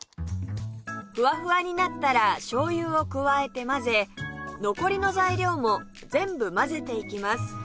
ふわふわになったら醤油を加えて混ぜ残りの材料も全部混ぜていきます